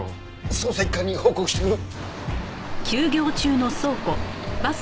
捜査一課に報告してくる。